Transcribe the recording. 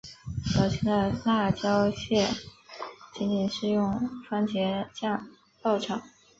早期的辣椒螃蟹仅仅是用番茄酱爆炒。